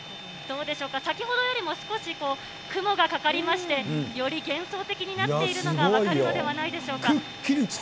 どうでしょうか、先ほどよりも少し雲がかかりまして、より幻想的になっているのが分かるのではないでしょうか。